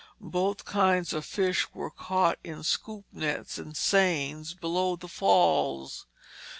Both kinds of fish were caught in scoop nets and seines below the falls.